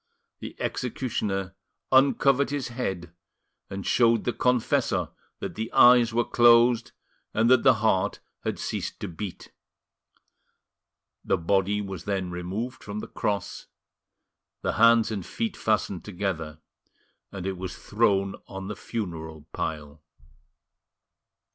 The executioner uncovered his head and showed the confessor that the eyes were closed and that the heart had ceased to beat. The body was then removed from the cross, the hands and feet fastened together, and it was thrown on the funeral pile.